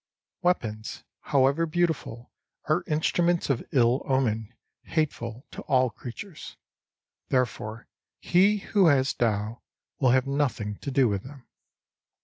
Weapons, however beautiful, are instruments of ill omen, hateful to all creatures. Therefore he who has Tao will have nothing to do with them.